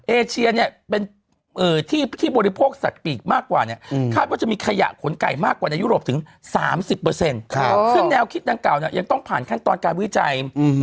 เอเชียเนี่ยที่บริโภคสัตว์ปีบมากกว่านี่